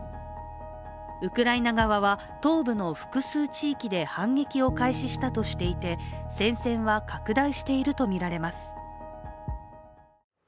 ウクライナ側は東部の複数地域で反撃を開始したとしていて戦線は拡大しているとみられます。